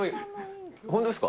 本当ですか？